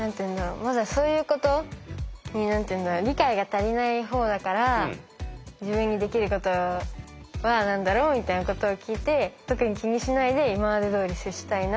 まずはそういうことに理解が足りないほうだから自分にできることは何だろうみたいなことを聞いて特に気にしないで今までどおり接したいなとは思います。